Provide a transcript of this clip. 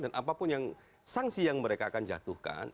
dan apapun yang sangsi yang mereka akan jatuhkan